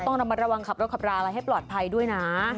ต้องระมัดระวังขับรถขับราอะไรให้ปลอดภัยด้วยนะ